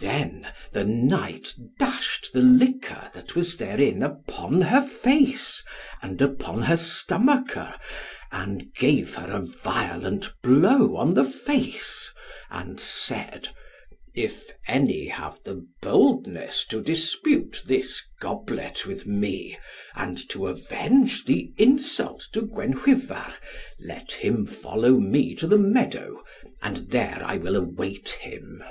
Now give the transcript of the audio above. Then the knight dashed the liquor that was therein upon her face, and upon her stomacher, and gave her a violent blow on the face, and said, "If any have the boldness to dispute this goblet with me, and to avenge the insult to Gwenhwyvar, let him follow me to the meadow, and there I will await him."